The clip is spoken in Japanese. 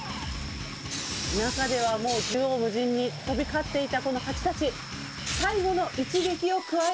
中ではもう縦横無尽に飛び交っていた、このハチたち。